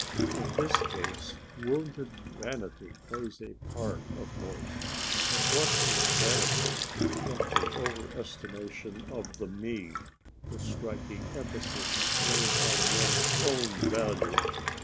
In this case wounded vanity plays a part, of course. But what is vanity but the over estimation of the Me, the striking emphasis laid on one's own value?